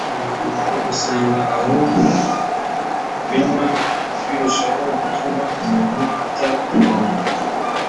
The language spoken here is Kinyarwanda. usanga ahubwo kubinywa birushaho gutuma umuntu ata umurongo